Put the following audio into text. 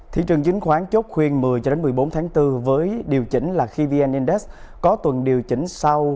thị trường chính khoán chốt khuyên một mươi một mươi bốn tháng bốn với điều chỉnh là khi vn index có tuần điều chỉnh sáu triệu đồng